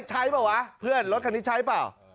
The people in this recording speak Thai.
เปล่าวะเพื่อนรถคันนี้ใช้เปล่า